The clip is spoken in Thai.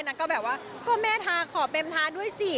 นางก็แบบว่าก็แม่ทาขอเป็มทาด้วยสิ